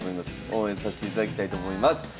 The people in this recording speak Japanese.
応援さしていただきたいと思います。